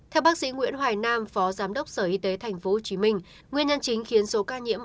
theo bác sĩ nguyễn hoài nam phó giám đốc sở y tế tp hcm nguyên nhân chính khiến số ca nhiễm